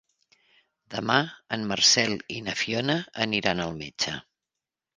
Demà en Marcel i na Fiona aniran al metge.